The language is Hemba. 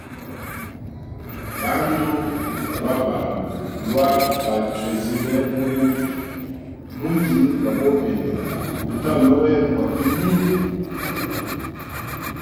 Bandu lwa bachwizile mu bubi, muti gwa bomene gutalu hembwa bini?